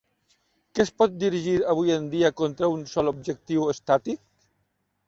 Què es pot dirigir avui en dia contra un sol objectiu estàtic?